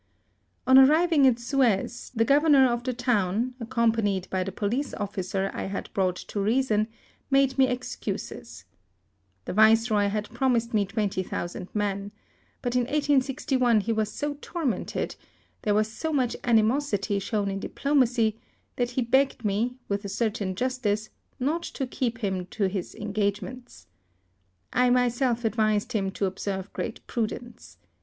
On arriving at Suez, the governor of the town, accompanied by the police officer I had brought to reason, made me excuses. E 66 HISTORY OP The Viceroy had promised me twenty thousand men; but in 1861 he was so tor mented, there was so much animosity shown in diplomacy, that he begged me, with a certain justice, not to keep him to his en gagement.. I myself advised him to Ob serve great prudence.